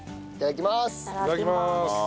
いただきます。